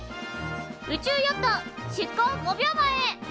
宇宙ヨット出港５秒前。